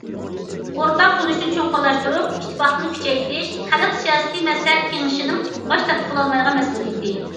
ئورتاق تونۇشنى چوڭقۇرلاشتۇرۇپ، ئىتتىپاقلىقنى كۈچەيتىش خەلق سىياسىي مەسلىھەت كېڭىشىنىڭ باش تارتىپ بولمايدىغان مەسئۇلىيىتى.